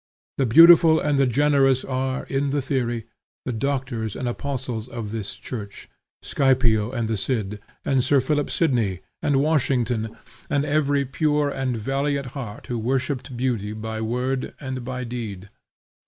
The beautiful and the generous are, in the theory, the doctors and apostles of this church: Scipio, and the Cid, and Sir Philip Sidney, and Washington, and every pure and valiant heart who worshipped Beauty by word and by deed.